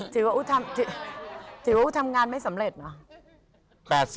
ถือว่าอุ๊ยทำงานไม่สำเร็จเหรอ